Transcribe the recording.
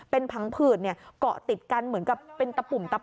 เป็นพังผืด